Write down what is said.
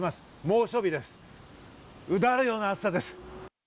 うだるような暑さです。